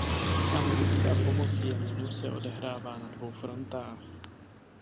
Americká pomoc Jemenu se odehrává na dvou frontách.